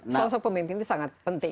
sosok pemimpin itu sangat penting